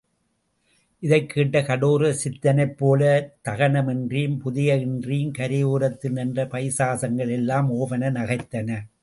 இதைக் கேட்ட கடோரசித்தனப் போலச் தகன மின்றியும் புதைய இன்றியும் கரையோரத்தில் நின்ற பைசாசங்கள் எல்லாம் ஒவென நகைத்தன.